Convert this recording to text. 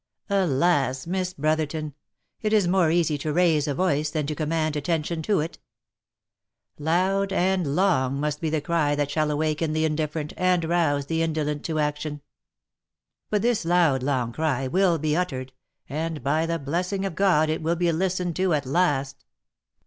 " Alas ! Miss Brotherton ! It is more easy to raise a voice, than to command attention to it. Loud and long must be the cry that shall awaken the indifferent, and rouse the indolent to action. But this loud, long cry, will be uttered, and by the blessing of God it will be listened to at last."